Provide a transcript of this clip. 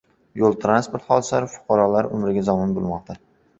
Yo‘l-transport hodisalari fuqarolar umriga zomin bo‘lmoqda